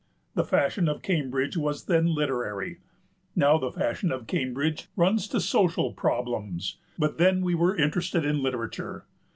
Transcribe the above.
The fashion of Cambridge was then literary. Now the fashion of Cambridge runs to social problems, but then we were interested in literature.